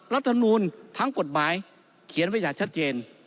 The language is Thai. รัฐมนูลทั้งกฎหมายเขียนไว้อย่างชัดเจน